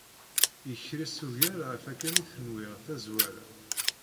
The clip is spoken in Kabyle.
Yekres ugar ɣef akken i t-nwiɣ tazwara.